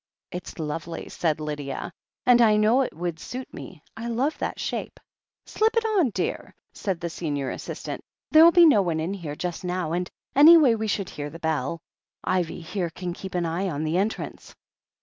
"It's lovely," said Lydia, "and I know it would suit me — I love that shape." "Slip it on, dear," said the senior assistant. "There'll be no one in here just now, and, anyway, we should hear the bell. Ivy here can keep an eye on the en trance."